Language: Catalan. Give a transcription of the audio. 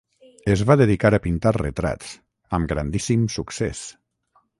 Es va dedicar a pintar retrats, amb grandíssim succés.